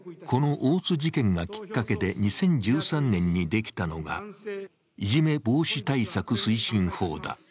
この大津事件がきっかけで２０１３年にできたのが、いじめ防止対策推進法だ。